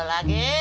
ya lu lagi